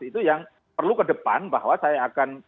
itu yang perlu ke depan bahwa saya akan